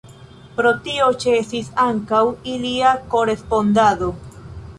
Pro tio ĉesis ankaŭ ilia korespondado.